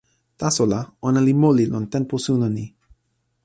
taso la, ona li moli lon tenpo suno ni.